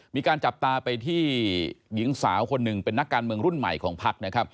มีการจับตาไปที่หญิงสาวคนหนึ่งเป็นนักการเมืองรุ่นใหม่ของพักนะครับ